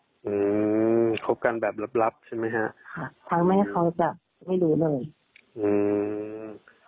อืมคบกันแบบลับลับใช่ไหมฮะค่ะทั้งไม่เขาจะไม่รู้เลยอืม